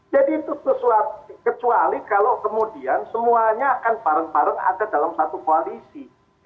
jadi itu kecuali kalau kemudian semuanya akan bareng bareng ada dalam satu koalisi